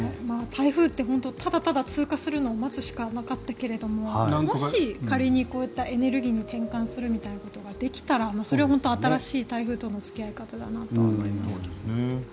台風ってただただ通過するのを待つしかなかったけれどももし仮にこういったエネルギーに転換するみたいなことができたらそれは本当に新しい台風との付き合い方だなとは思いますけども。